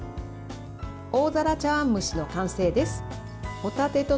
大皿茶碗蒸しの完成です。